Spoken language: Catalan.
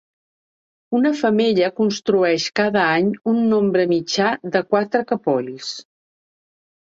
Una femella construeix cada any un nombre mitjà de quatre capolls.